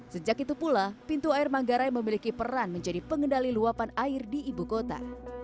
sejak itu pula pintu air manggarai memiliki peran menjadi pengendali luapan air di ibu kota